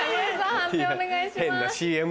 判定お願いします。